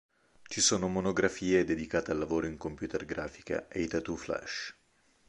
Ci sono monografie dedicate al lavoro in computer grafica e ai tattoo-flash.